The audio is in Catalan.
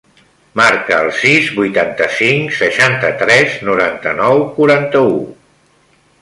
Marca el sis, vuitanta-cinc, seixanta-tres, noranta-nou, quaranta-u.